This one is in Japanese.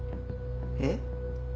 えっ？